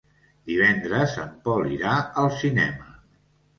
Divendres en Pol irà al cinema.